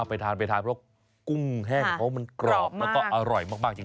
ไปทานไปทานเพราะกุ้งแห้งของเขามันกรอบแล้วก็อร่อยมากจริง